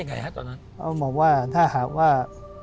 เขาบอกว่าถ้าหากว่า